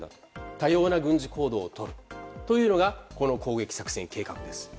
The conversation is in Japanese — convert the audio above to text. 多様な軍事行動をとるというのがこの攻撃作戦計画です。